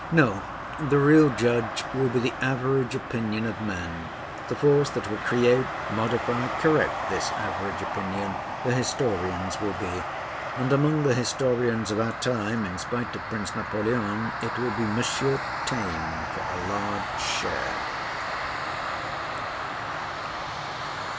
No: the real judge will be the average opinion of men; the force that will create, modify, correct this average opinion, the historians will be; and among the historians of our time, in spite of Prince Napoleon, it will be M. Taine for a large share.